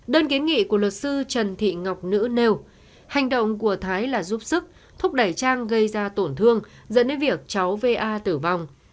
đơn kiến nghị của luật sư trần thị ngọc nữ nêu hành động của thái là giúp sức thúc đẩy trang gây ra tổn thương dẫn đến việc cháu va tử vong